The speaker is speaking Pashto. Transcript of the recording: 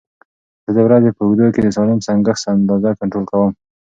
زه د ورځې په اوږدو کې د سالم سنکس اندازه کنټرول کوم.